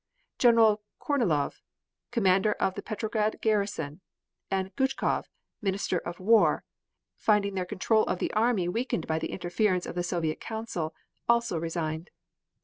General Kornilov, Commander of the Petrograd Garrison, and Guchkov, Minister of War, finding their control of the army weakened by the interference of the Soviet Council, also resigned.